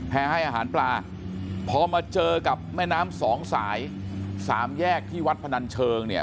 ให้อาหารปลาพอมาเจอกับแม่น้ำสองสายสามแยกที่วัดพนันเชิงเนี่ย